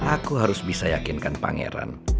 aku harus bisa yakinkan pangeran